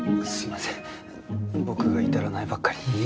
すいません僕が至らないばっかりに。